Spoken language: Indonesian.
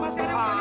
mas erick mau lagi